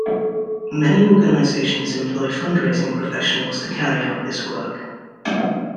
Many organisations employ fundraising professionals to carry out this work.